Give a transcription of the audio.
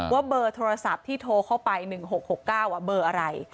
ว่าเบอร์โทรศัพท์ที่โทรเข้าไป๑๖๖๙เบอร์อะไร